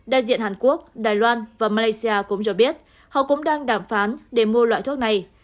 đại diện hàn quốc đài loan và malaysia cũng cho biết họ cũng đang đàm phán để mua loại thuốc này